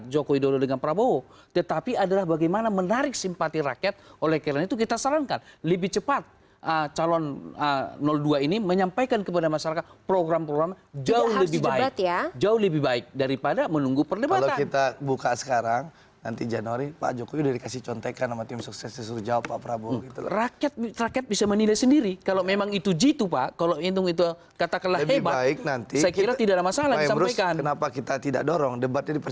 jangan lagi kita terhipnotis dengan pencitraan masuk god